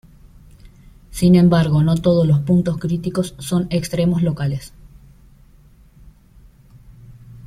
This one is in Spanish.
Sin embargo, no todos los puntos críticos son extremos locales.